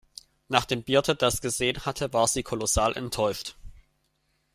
Nachdem Birte das gesehen hatte, war sie kolossal enttäuscht.